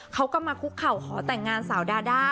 เขาก็มาคุกเข่าขอแต่งงานสาวดาด้า